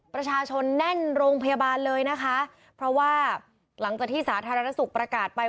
ประชาชนแน่นโรงพยาบาลเลยนะคะเพราะว่าหลังจากที่สาธารณสุขประกาศไป